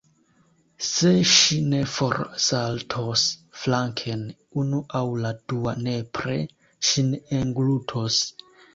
Se ŝi ne forsaltos flanken, unu aŭ la dua nepre ŝin englutos.